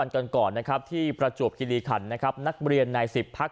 นะครับที่ประจวบคิดีคันนะครับนักเรียนใน๑๐พัก